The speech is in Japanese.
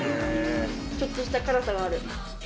ちょっとした辛さがある。